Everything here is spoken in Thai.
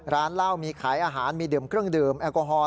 ร้านเหล้ามีขายอาหารมีดื่มเครื่องดื่มแอลกอฮอล